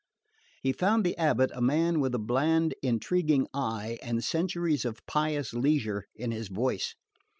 He found the Abbot a man with a bland intriguing eye and centuries of pious leisure in his voice.